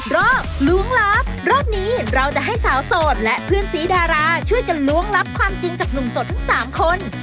รอบล้วงลับรอบนี้เราจะให้สาวโสดและเพื่อนสีดาราช่วยกันล้วงลับความจริงจากหนุ่มโสดทั้ง๓คน